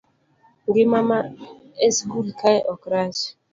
ngima ma e skul kae ok rach